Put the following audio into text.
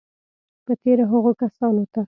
په تېره هغو کسانو ته